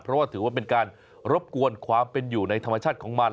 เพราะว่าถือว่าเป็นการรบกวนความเป็นอยู่ในธรรมชาติของมัน